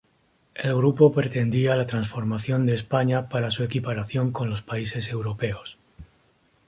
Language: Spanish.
El grupo pretendía la transformación de España para su equiparación con los países europeos.